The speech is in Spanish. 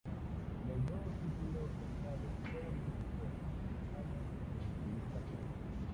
Los dos títulos tachados fueron hechos por James en su lista real.